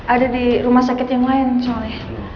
ada di rumah sakit yang lain soalnya